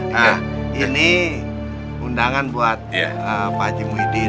nah ini undangan buat pak haji muhidin